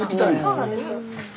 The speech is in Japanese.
そうなんですよ。